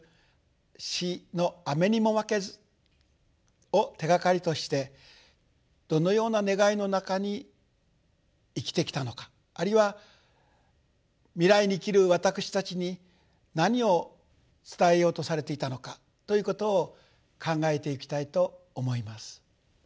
詩の「雨ニモマケズ」を手がかりとしてどのような願いの中に生きてきたのかあるいは未来に生きる私たちに何を伝えようとされていたのかということを考えていきたいと思います。